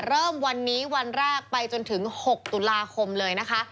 เริ่มวันนี้วันแรกไปจนถึง๖ตุลาคมเลยนะคะ